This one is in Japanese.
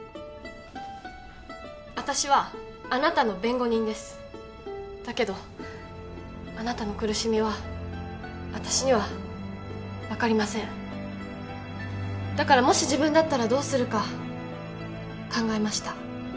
私はあなたの弁護人ですだけどあなたの苦しみは私には分かりませんだからもし自分だったらどうするか考えました